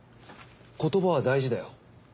言葉は大事だよ。